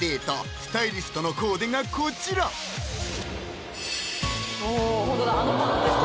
スタイリストのコーデがこちらおホントだあのパンツですね